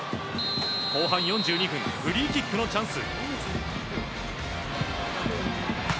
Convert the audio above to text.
後半４２分フリーキックのチャンス。